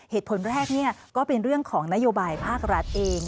เหตุผลแรกก็เป็นเรื่องของนโยบายภาครัฐเอง